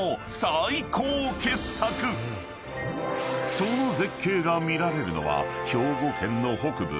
［その絶景が見られるのは兵庫県の北部